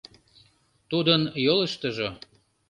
— Тудын йолыштыжо...